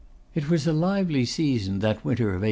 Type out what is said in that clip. It was a lively season, that winter of 1834!